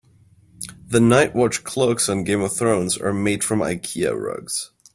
The night watch cloaks on Game of Thrones are made from Ikea rugs.